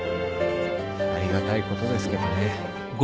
ありがたいことですけどね。